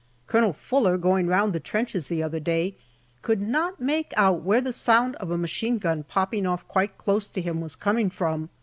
Colonel Fuller, going round the trenches the other day, could not make out where the sound of a machine gun popping off quite close to him was coming from.